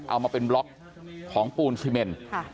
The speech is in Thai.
เอามาเป็นบล็อกของปูนซีเมน